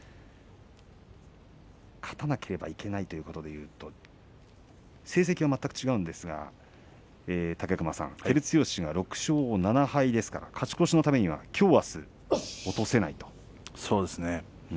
勝たなければいけないということでいうと戦績は全く違うんですが照強が６勝７敗ですから勝ち越しのためにはきょう、あすそうですね。